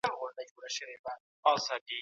جهادي تنظیمونو د موافقې خلاف، د څلورو میاشتو